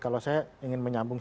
kalau saya ingin menyambung